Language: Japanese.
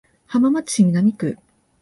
浜松市南区